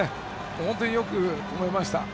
本当によく止めました。